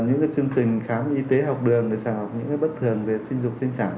những chương trình khám y tế học đường để sàng lọc những bất thường về sinh dục sinh sản